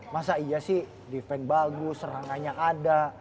masa iya sih defense bagus serangannya ada